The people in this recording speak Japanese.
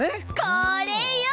これよ！